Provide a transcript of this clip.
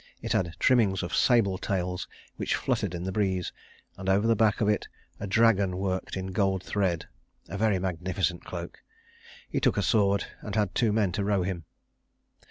It had trimmings of sable tails which fluttered in the breeze, and over the back of it a dragon worked in gold thread: a very magnificent cloak. He took a sword, and had two men to row him.